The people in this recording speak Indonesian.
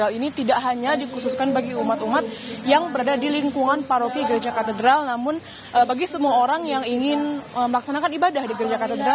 untuk misa pada hari ini berlangsung dengan lancar